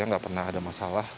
nggak pernah ada masalah